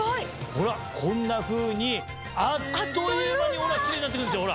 ほらこんなふうにあっという間にキレイになってくんですよ。